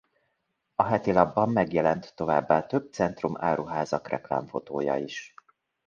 A hetilapban megjelent továbbá több Centrum Áruházak reklámfotója is.